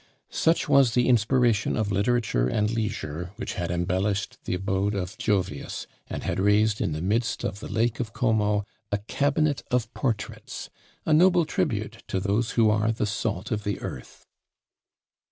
Such was the inspiration of literature and leisure which had embellished the abode of Jovius, and had raised in the midst of the Lake of Como a cabinet of portraits; a noble tribute to those who are "the salt of the earth."